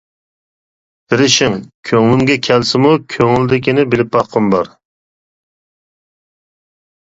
تېرىشىڭ. كۆڭلۈمگە كەلسىمۇ، كۆڭلىدىكىنى بىلىپ باققۇم بار!